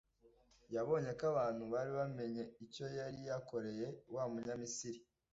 yabonye ko abantu bari bamenye icyo yari yakoreye wa munyamisiri